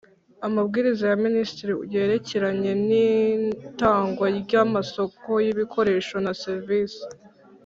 Amabwiriza ya Minisitiri yerekeranye n itangwa ry amasoko y ibikoresho na serivisi